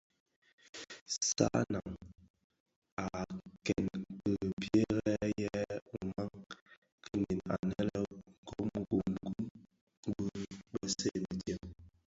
Sanan a kèn ki pierè yè ùman kinin anë le Ngom gum gum bi bësèè bëtsem.